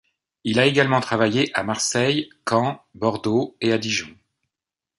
Il a également travaillé à Marseille, Caen, Bordeaux et à Dijon.